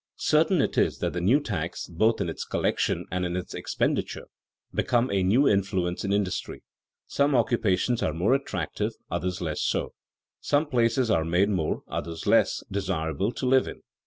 Certain it is that the new tax, both in its collection and in its expenditure, becomes a new influence in industry. Some occupations are made more attractive, others less so. Some places are made more, others less, desirable to live in.